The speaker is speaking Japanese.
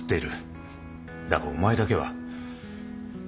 だがお前だけは例外だ。